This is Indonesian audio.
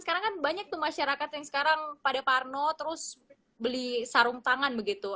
sekarang kan banyak tuh masyarakat yang sekarang pada parno terus beli sarung tangan begitu